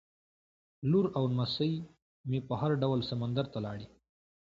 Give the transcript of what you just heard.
لور او نمسۍ مې په هر ډول سمندر ته لاړې.